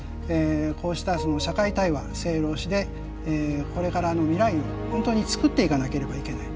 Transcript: こうしたその社会対話政・労・使でこれからの未来を本当につくっていかなければいけない。